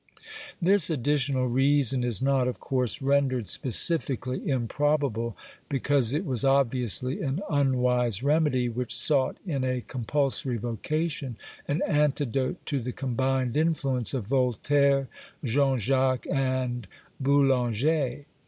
This additional reason is not, of course, rendered specifically improbable because it was obviously an unwise remedy, which sought in a compulsory vocation an antidote to the combined influence of Voltaire, Jean Jacques and Boulanger.